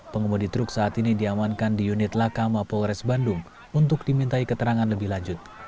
pengemudi truk saat ini diamankan di unit laka mapolres bandung untuk dimintai keterangan lebih lanjut